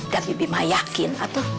dan bibi mah yakin